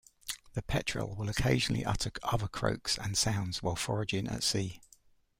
The petrel will occasionally utter other croaks and sounds while foraging at sea.